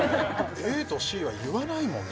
ＡとＣは言わないもんね